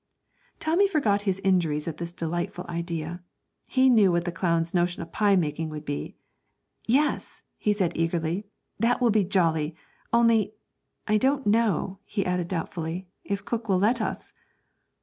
Tommy forgot his injuries at this delightful idea; he knew what the clown's notion of pie making would be. 'Yes,' he said eagerly, 'that will be jolly; only I don't know,' he added doubtfully, 'if cook will let us.'